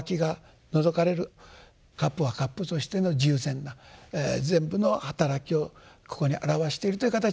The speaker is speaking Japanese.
カップはカップとしての十全な全部の働きをここにあらわしているという形で。